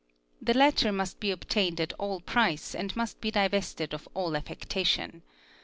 'The latter must be /obtained at all price and must be divested of all affectation.